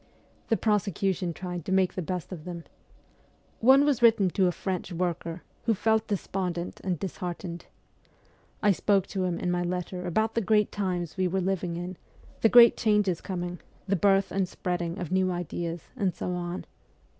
The prosecution tried to make the best of them. One was written to a French worker, who felt despondent and disheartened. I spoke to him in my letter about the great times we were living in, the great changes coming, the birth and spreading of new ideas, and so on.